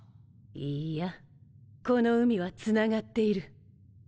いいやこの宇宙はつながっている。